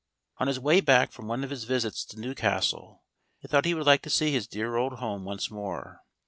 On his way back from one of his visits to Newcastle he thought he would like to see his dear old home once more.